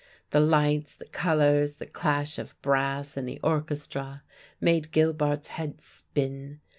The lights, the colours, the clash of brass in the orchestra made Gilbart's head spin.